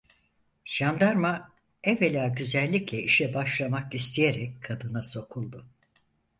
Jandarma, evvela güzellikle işe başlamak isteyerek kadına sokuldu.